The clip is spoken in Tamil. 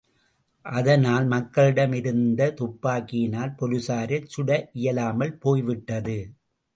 அதனால் மக்களிடம் இருந்ததுப்பாக்கியினால் போலீஸாரைச் சுட இயலாமல் போய்விட்டது.